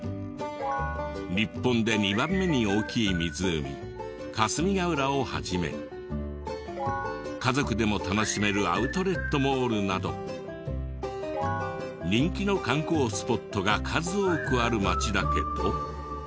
日本で２番目に大きい湖霞ヶ浦を始め家族でも楽しめるアウトレットモールなど人気の観光スポットが数多くある町だけど。